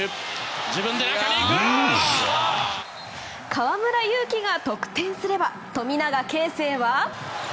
河村勇輝が得点すれば富永啓生は。